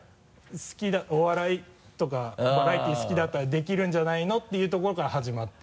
お笑いとかバラエティー好きだったらできるんじゃないの？っていうところから始まって。